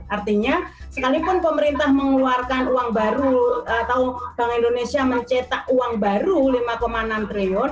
artinya sekalipun pemerintah mengeluarkan uang baru atau bank indonesia mencetak uang baru rp lima enam triliun